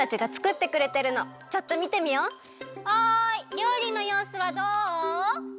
りょうりのようすはどう？